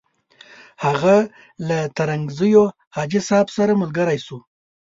هغه له ترنګزیو حاجي صاحب سره ملګری شو.